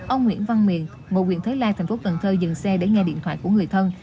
ông nguyễn văn miền ngộ huyện thới lai thành phố cần thơ dừng xe để nghe điện thoại của người thân